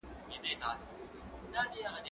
زه کتابونه ليکلي دي؟!